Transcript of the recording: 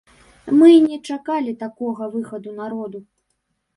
Мы не чакалі такога выхаду народу.